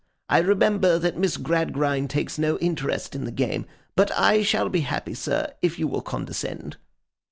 I remember that Miss Gradgrind takes no interest in the game. But I shall be happy, sir, if you will condescend.